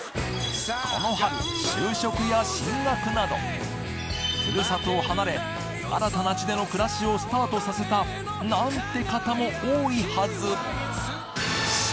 この春就職や進学などふるさとを離れ新たな地での暮らしをスタートさせた各県